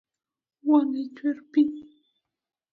Wang’e chwer pi